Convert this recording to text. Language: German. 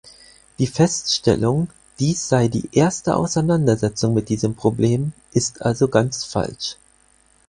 Die Feststellung, dies sei die erste Auseinandersetzung mit diesem Problem, ist also ganz falsch.